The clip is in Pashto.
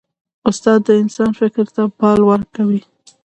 استاد د انسان فکر ته بال ورکوي.